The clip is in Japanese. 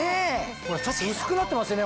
ちょっと薄くなってますよね